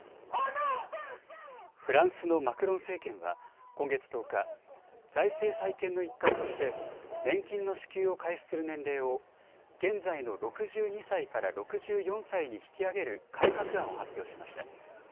フランスのマクロン政権は今月１０日、財政再建の一環として年金の支給を開始する年齢を現在の６２歳から６４歳に引き上げる改革案を発表しました。